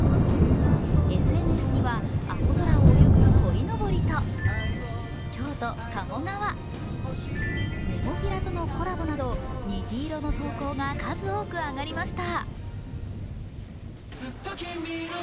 ＳＮＳには青空を泳ぐこいのぼりと京都・鴨川、ネモフィラとのコラボなど虹色の投稿が数多く上がりました。